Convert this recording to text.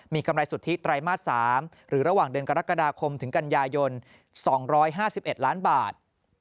มีกำไรสุทธิไตรมาส๓หรือระหว่างเดือนกรกฎาคมถึงกันยายน๒๕๑ล้านบาท